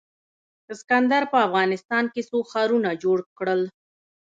اسکندر په افغانستان کې څو ښارونه جوړ کړل